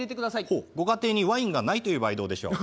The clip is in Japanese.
ほうご家庭にワインがないという場合どうでしょう？